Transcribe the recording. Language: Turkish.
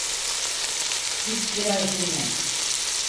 Git biraz dinlen.